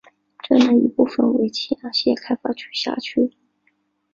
镇内一部分为青阳县开发区辖区。